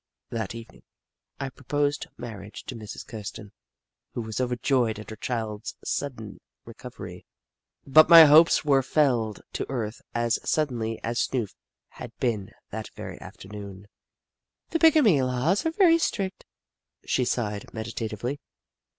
That evening, I proposed marriage to Mrs. Kirsten, who was overjoyed at her child's sudden recovery, but my hopes were felled to earth as suddenly as Snoof had been that very afternoon. " The bigamy laws are very strict," she sighed, meditatively.